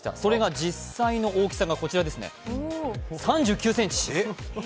実際の大きさが、こちら、３９ｃｍ。